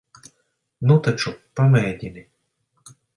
Nu taču, pamēģini.